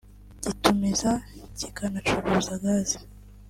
gitumiza kikanacuruza Gas